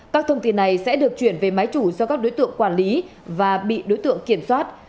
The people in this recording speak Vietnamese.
các thông tin này sẽ được chuyển về máy chủ do các đối tượng quản lý và bị đối tượng kiểm soát